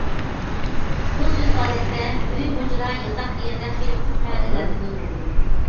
بۇ سۆز ئادەتتە،‹‹ ئۆي، ھۇجرا، ياتاق›› دېگەندەك خېلى كۆپ مەنىلەرنى بىلدۈرىدۇ.